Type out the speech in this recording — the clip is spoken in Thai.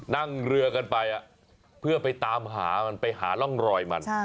นั่งเรือกันไปเพื่อไปตามหามันไปหาร่องรอยมัน